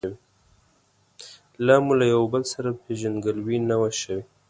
لا مو له یو او بل سره پېژندګلوي نه وه شوې.